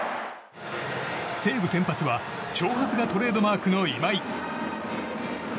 西武先発は長髪がトレードマークの今井。